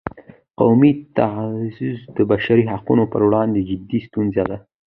قومي تبعیض د بشري حقونو پر وړاندې جدي ستونزه ده.